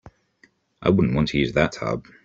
I wouldn't want to use that tub.